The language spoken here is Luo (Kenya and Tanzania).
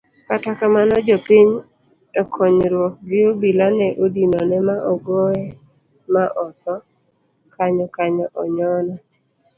Kata kamano jopiny ekonyruok gi obila ne odinone ma ogoye ma othoo kanyokanyo onyona